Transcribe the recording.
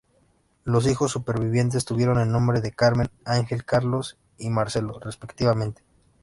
Los hijos supervivientes tuvieron el nombre de Carmen, Ángel, Carlos y Marcelo, respectivamente.